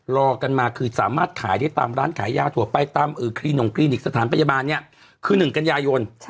รอกันมาคือสามารถขายได้ตามร้านขายยาถั่วไปตามคลินงคลินิกสถานพยาบาลเนี่ยคือ๑กันยายน